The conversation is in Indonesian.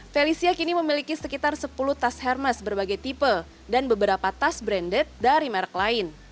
felicia kini memiliki sekitar sepuluh tas hermes berbagai tipe dan beberapa tas branded dari merek lain